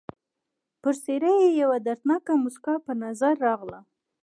پر څېره یې یوه دردناکه مسکا په نظر راغله.